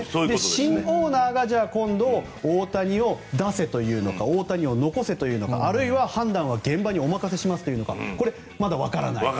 新オーナーが今度、大谷を出せというのか大谷を残せというのかあるいは判断は現場にお任せしますと言うのかまだわからない。